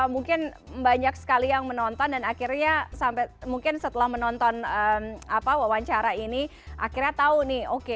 mungkin banyak sekali yang menonton dan akhirnya sampai mungkin setelah menonton wawancara ini akhirnya tahu nih oke